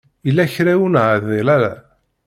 Yella kra ur neɛdil ara.